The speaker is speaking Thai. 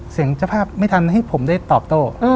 เจ้าภาพไม่ทันให้ผมได้ตอบโต้